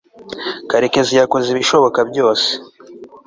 karekezi yakoze ibishoboka byose